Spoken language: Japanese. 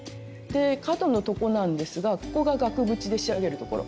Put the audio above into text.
で角のとこなんですがここが額縁で仕上げるところ。